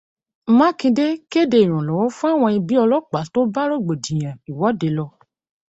Makinde kéde ìrànwọ́ fáwọn ẹbí ọlọ́pàá tó bá rògbòdìyàn ìwọ́de lọ.